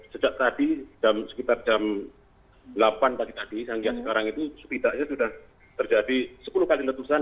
sejak tadi sekitar jam delapan pagi tadi sehingga sekarang itu setidaknya sudah terjadi sepuluh kali letusan